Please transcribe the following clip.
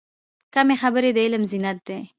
کمې خبرې، د علم زینت دی.